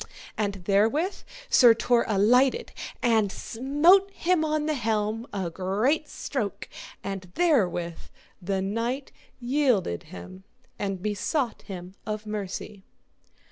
And therewith Sir Tor alighted and smote him on the helm a great stroke, and therewith the knight yielded him and besought him of mercy.